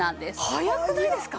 早くないですか？